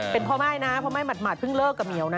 เป็นเพราะไม่มัดมัดเพิ่งเลิกกับเมียวนะ